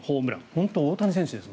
本当に大谷選手です。